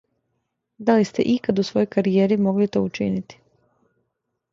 Да ли сте икад у својој каријери могли то учинити?